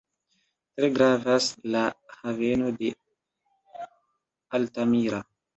Tre gravas la haveno de Altamira.